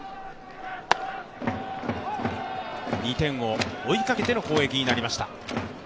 ２点を追いかけての攻撃になりました。